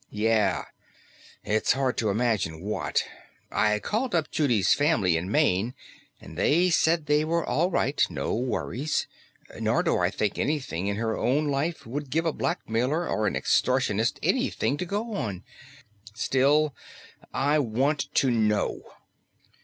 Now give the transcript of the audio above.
"Yeah. It's hard to imagine what. I called up Judy's family in Maine, and they said they were all right, no worries. Nor do I think anything in her own life would give a blackmailer or an extortionist anything to go on. Still I want to know."